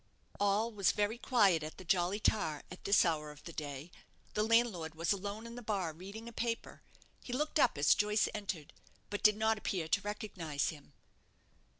All was very quiet at the 'Jolly Tar' at this hour of the day. The landlord was alone in the bar, reading a paper. He looked up as Joyce entered; but did not appear to recognize him.